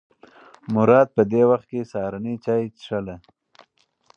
مراد په دې وخت کې سهارنۍ چای څښله.